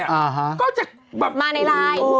ก็จะแบบโอ้โฮมาในไลน์